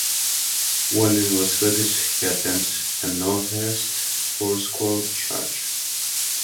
When in Las Vegas he attends a northwest Foursquare church.